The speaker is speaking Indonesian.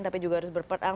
tapi juga harus berperang